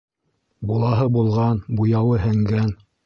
Булаһы булған, буяуы һеңгән.